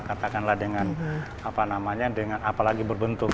katakanlah dengan apa namanya dengan apalagi berbentuk